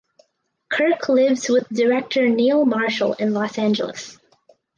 Kirk lives with director Neil Marshall in Los Angeles.